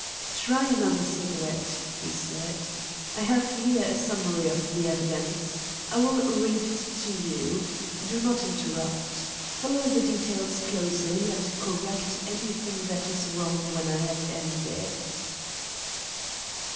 "Try another cigarette," he said, "I have here a summary of the evidence. I will read it to you. Do not interrupt. Follow the details closely, and correct anything that is wrong when I have ended."